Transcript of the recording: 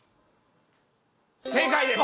正解です！